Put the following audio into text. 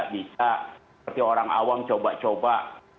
bisa seperti orang awam coba coba